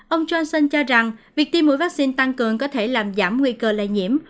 ông johnson cho rằng việc tiêm mũi vaccine tăng cường có thể làm giảm nguy cơ lây nhiễm